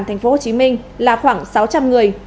tp hcm là khoảng sáu trăm linh người